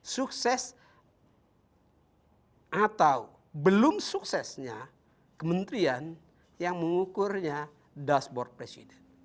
sukses atau belum suksesnya kementerian yang mengukurnya dashboard presiden